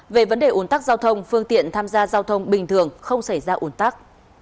về vấn đề ủn tắc giao thông phương tiện tham gia giao thông bình thường không xảy ra ủn tắc